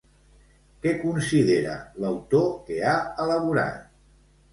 Què considera l'autor que ha elaborat?